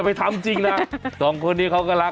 โอ้โหโอ้โหโอ้โหโอ้โหโอ้โหโอ้โหโอ้โหโอ้โหโอ้โหโอ้โห